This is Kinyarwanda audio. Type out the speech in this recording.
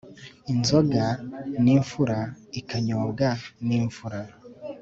inzoga ni imfura ikanyobwa n'imfura